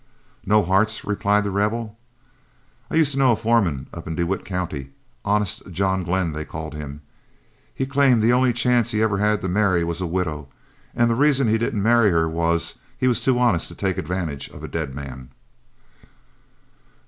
"No; hearts," replied The Rebel. "I used to know a foreman up in DeWitt County, 'Honest' John Glen they called him. He claimed the only chance he ever had to marry was a widow, and the reason he didn't marry her was, he was too honest to take advantage of a dead man."